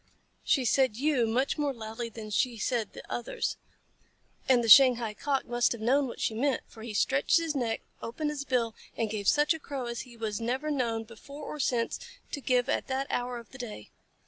She said "you" much more loudly than she said "the others," and the Shanghai Cock must have known what she meant, for he stretched his neck, opened his bill, and gave such a crow as he was never known, before or since, to give at that hour of the day.